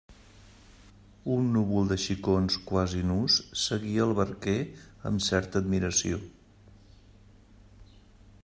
Un núvol de xicons quasi nus seguia el barquer amb certa admiració.